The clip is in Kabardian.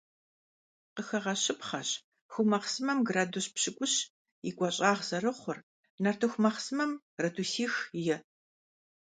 Къыхэгъэщыпхъэщ ху махъсымэм градус пщыкIущ и гуащIагъ зэрыхъур, нартыху махъсымэм - градусих-и.